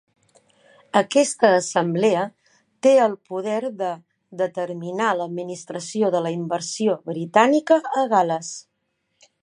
Aquesta Assemblea té el poder de determinar l'administració de la inversió britànica a Gal·les.